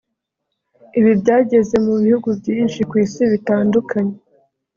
Ibi byageze mu bihugu byinshi ku isi bitandukanye